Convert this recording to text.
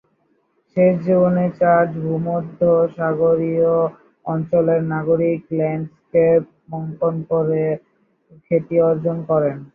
শেষ জীবনে চার্চ ভূমধ্যসাগরীয় অঞ্চলের নাগরিক ল্যান্ডস্কেপ অঙ্কন করে খ্যাতি অর্জন করেন।